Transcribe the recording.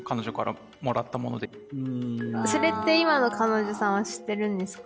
それって今の彼女さんは知ってるんですか？